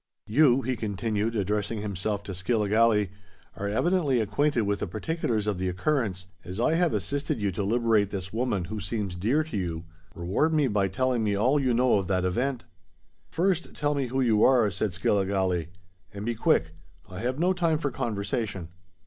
"You," he continued, addressing himself to Skilligalee, "are evidently acquainted with the particulars of the occurrence: as I have assisted you to liberate this woman who seems dear to you, reward me by telling me all you know of that event." "First tell me who you are," said Skilligalee. "And be quick—I have no time for conversation."